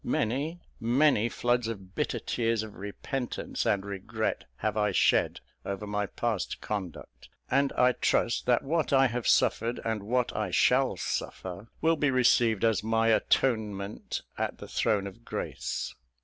Many, many floods of bitter tears of repentance and regret have I shed over my past conduct; and I trust, that what I have suffered and what I shall suffer, will be received as my atonement at the Throne of Grace.